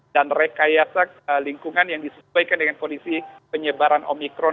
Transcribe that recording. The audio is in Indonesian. rekayasa lingkungan yang disesuaikan dengan kondisi penyebaran omikron